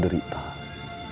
terima kasih mama